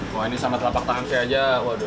kalau ini sama telapak tangan saya aja